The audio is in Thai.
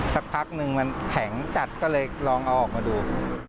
สักพักนึงมันแข็งจัดก็เลยลองเอาออกมาดู